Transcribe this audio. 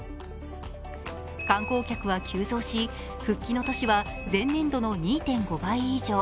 観光客は急増し、復帰の年は前年度の２．５倍以上